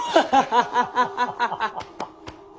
ハハハハハ。